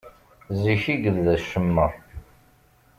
Zik i yebda ccemma.